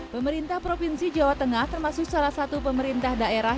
pemerintah provinsi jawa tengah termasuk salah satu pemerintah daerah